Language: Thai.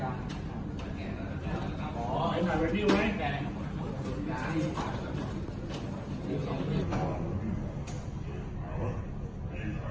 อ๋อแไม่น่าเวียดริวไหม